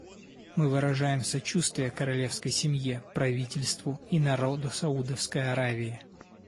Мы выражаем сочувствие королевской семье, правительству и народу Саудовской Аравии.